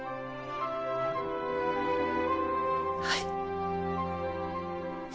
はい。